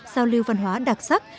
giao lưu văn hóa đặc sắc